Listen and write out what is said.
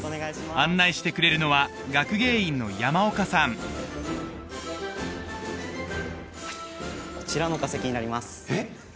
案内してくれるのは学芸員の山岡さんはいこちらの化石になりますえっ！？